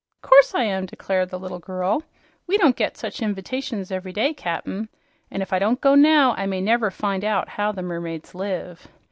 "'Course I am," declared the little girl. "We don't get such inv'tations every day, Cap'n, and if I don't go now I may never find out how the mermaids live."